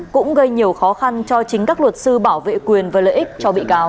cũng gây nhiều khó khăn cho chính các luật sư bảo vệ quyền và lợi ích cho bị cáo